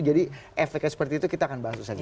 jadi efeknya seperti itu kita akan bahas